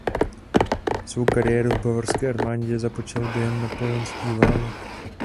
Svou kariéru v bavorské armádě započal během napoleonských válek.